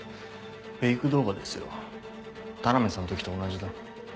フェイク動画ですよ田波さんの時と同じだ。